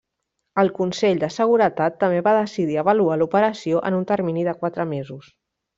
El Consell de Seguretat també va decidir avaluar l'operació en un termini de quatre mesos.